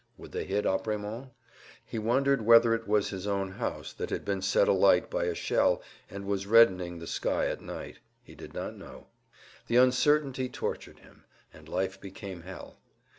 Would they hit Apremont? He wondered whether it was his own house that had been set alight by a shell and was reddening the sky at night. He did not know. The uncertainty tortured him, and life became hell.